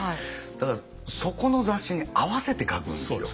だからそこの雑誌に合わせて書くんですよ。